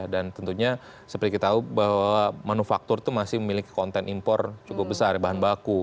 dan tentunya seperti kita tahu bahwa manufaktur itu masih memiliki konten impor cukup besar bahan baku